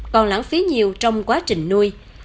còn lãng phí nhiều trong quá trình nuôi